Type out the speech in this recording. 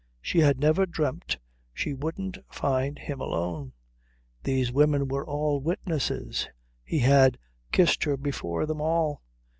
She had never dreamed she wouldn't find him alone. These women were all witnesses. He had kissed her before them all.